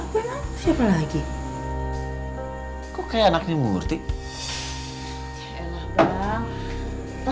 sampai jumpa di video selanjutnya